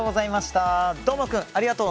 どーもくん、ありがとう。